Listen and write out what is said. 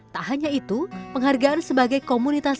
tak hanya itu penghargaan sebagai komunitas